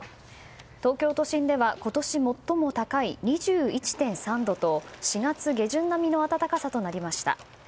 東京都心では今年最も高い２１．３度と４月下旬並みの暖かさとなりました。